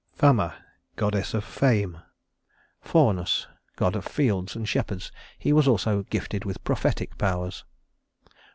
Fama, goddess of Fame. Faunus, god of fields and shepherds. He was also gifted with prophetic powers.